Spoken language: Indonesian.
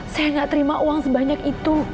saya gak terima uang sebanyak itu